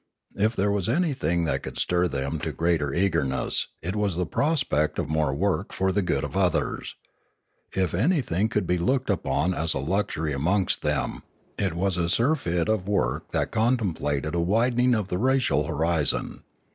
If there was anything that could stir them to greater eagerness, it was the prospect of more work for the good of others; if anything could be looked upon as a luxury amongst them, it was a surfeit of work that con templated a widening of the racial horizon.